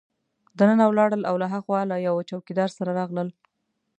دننه ولاړل او له هاخوا له یوه چوکیدار سره راغلل.